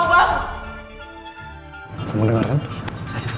orang yang selama ini nindungin aku